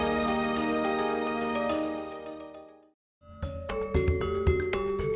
kalau tradisionalnya adalah bandul wong wongan